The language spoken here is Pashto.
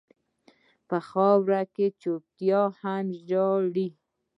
په خاوره کې چپتيا هم ژاړي.